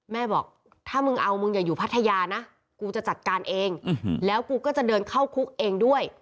บอกถ้ามึงเอามึงอย่าอยู่พัทยานะกูจะจัดการเองแล้วกูก็จะเดินเข้าคุกเองด้วย